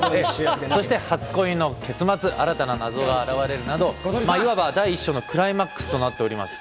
そして初恋の結末、新たな謎が現れるなどいわば第１章のクライマックスとなっております。